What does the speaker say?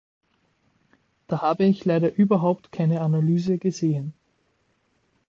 Da habe ich leider überhaupt keine Analyse gesehen.